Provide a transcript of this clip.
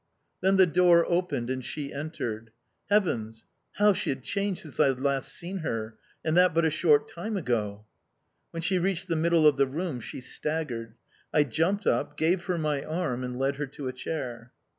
Then the door opened, and she entered. Heavens! How she had changed since I had last seen her and that but a short time ago! When she reached the middle of the room, she staggered. I jumped up, gave her my arm, and led her to a chair.